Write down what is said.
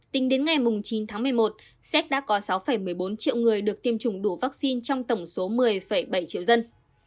tính đến ngày chín tháng một mươi một xét đã có sáu một mươi bốn triệu người được tiêm chủng đủ vaccine trong tổng số một mươi bảy triệu dân